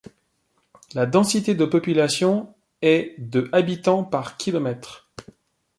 La densité de population est de habitants par km.